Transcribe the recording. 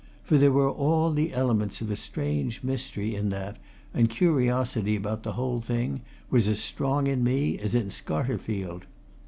For there were all the elements of a strange mystery in that and curiosity about the whole thing was as strong in me as in Scarterfield.